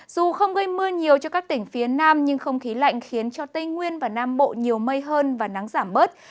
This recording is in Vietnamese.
dù không gây mưa nhiều cho các tỉnh phía nam nhưng không khí lạnh khiến cho tây nguyên và nam bộ nhiều mây hơn và nắng giảm bớt